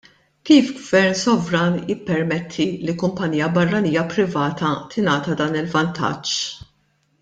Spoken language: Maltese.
Kif Gvern sovran jippermetti li kumpanija barranija privata tingħata dan il-vantaġġ?